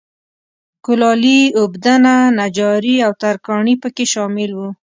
کولالي، اوبدنه، نجاري او ترکاڼي په کې شامل وو